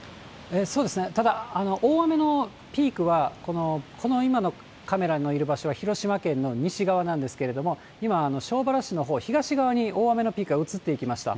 そうですね、ただ大雨のピークはこの今のカメラのいる場所は広島県の西側なんですけれども、今、庄原市のほう、東側に大雨のピークは移っていきました。